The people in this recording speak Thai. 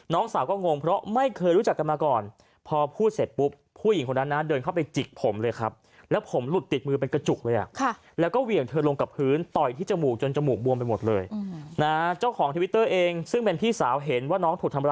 น้องสาวก็งงเพราะไม่เคยรู้จักกันมาก่อน